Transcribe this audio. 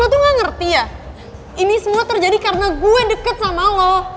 gue tuh gak ngerti ya ini semua terjadi karena gue deket sama lo